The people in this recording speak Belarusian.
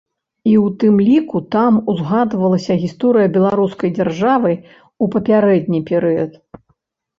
І ў тым ліку там узгадавалася гісторыя беларускай дзяржавы ў папярэдні перыяд.